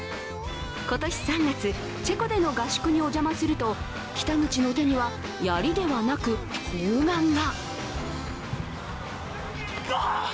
今年３月、チェコでの合宿にお邪魔すると北口の手には、やりではなく砲丸が。